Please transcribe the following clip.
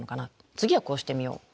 次はこうしてみよう。